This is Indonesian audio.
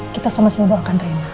kita sama sama doakan rena